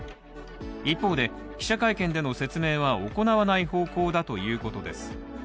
一方で記者会見での説明は行わないということです。